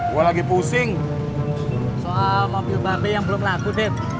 gua lagi pusing soal mobil mbak be yang belum laku deb